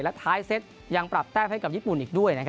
และท้ายเซตยังปรับแต้มให้กับญี่ปุ่นอีกด้วย